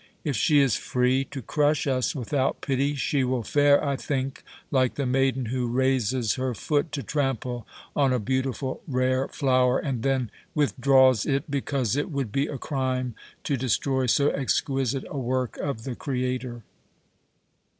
"If she is free to crush us without pity, she will fare, I think, like the maiden who raises her foot to trample on a beautiful, rare flower, and then withdraws it because it would be a crime to destroy so exquisite a work of the Creator."